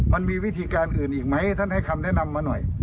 มันมีวิธีการอื่นอีกไหมท่านให้คำแนะนำมาหน่อย